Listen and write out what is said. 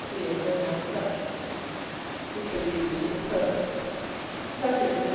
of Memnon's statue, which were used to this purpose. Tatius lib.